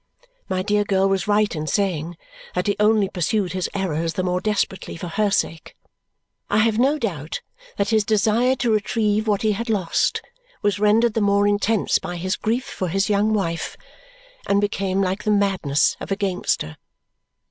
My dear girl was right in saying that he only pursued his errors the more desperately for her sake. I have no doubt that his desire to retrieve what he had lost was rendered the more intense by his grief for his young wife, and became like the madness of a gamester.